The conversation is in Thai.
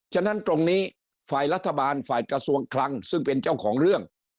ฉะนั้นตรงนี้ฝ่ายรัฐบาลฝ่ายกระทรวงคลังซึ่งเป็นเจ้าของเรื่อง